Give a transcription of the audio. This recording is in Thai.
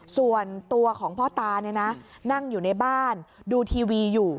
ส่วนตัวของพ่อตาเนี่ยนะนั่งอยู่ในบ้านดูทีวีอยู่